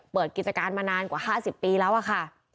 เปิดกิจการมานานกว่า๕๐ปีแล้วอะค่ะ